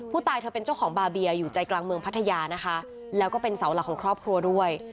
เธอเป็นเจ้าของบาเบียอยู่ใจกลางเมืองพัทยานะคะแล้วก็เป็นเสาหลักของครอบครัวด้วย